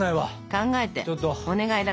考えてお願いだから。